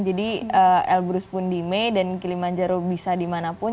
jadi elbrus pun di mei dan kilimanjaro bisa dimanapun